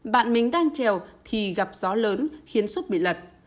bạn mình đang trèo thì gặp gió lớn khiến sức bị lật